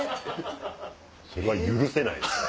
それは許せないですね。